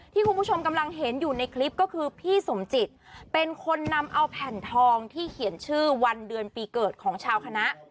คุณผู้ชมกำลังเห็นอยู่ในคลิปก็คือพี่สมจิตเป็นคนนำเอาแผ่นทองที่เขียนชื่อวันเดือนปีเกิดของชาวคณะ